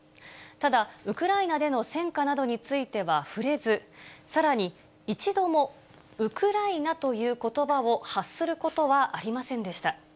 ただ、ウクライナでの戦火などについては触れず、さらに、一度もウクライナということばを発することはありませんでした。